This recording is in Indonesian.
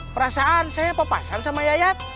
perasaan saya papasan sama yayat